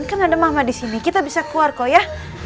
kan ada mama disini kita bisa keluar kok ya